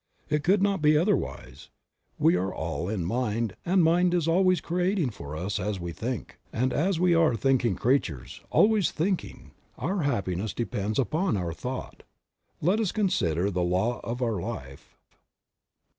It could not be otherwise ; we are all in Mind and Mind is always creating for us as we think ; and as we are think ing creatures, always thinking, our happiness depends upon our thought. Let us consider the law of our life.